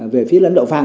về phía lãnh đạo phạm